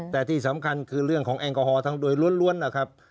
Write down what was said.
แต่ที่สำคัญคือเรื่องของแอลกอฮอล์ทั้งโดยล้วนนะครับ